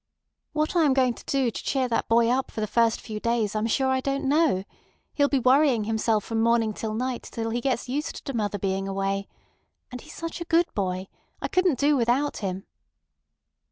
"What I am going to do to cheer up that boy for the first few days I'm sure I don't know. He'll be worrying himself from morning till night before he gets used to mother being away. And he's such a good boy. I couldn't do without him."